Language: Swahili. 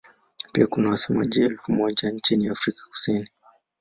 Pia kuna wasemaji elfu moja nchini Afrika Kusini.